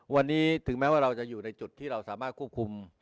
วันนี้ถึงแม้ว่าเราจะอยู่ในจุดที่เราสามารถควบคุม